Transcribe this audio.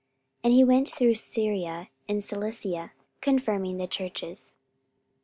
44:015:041 And he went through Syria and Cilicia, confirming the churches.